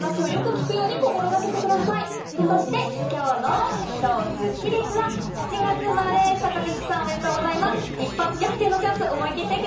そして今日の超スッキりすは７月生まれ、坂口さん、おめでとうございます。